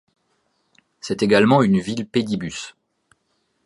C'est également une ville Pédibus.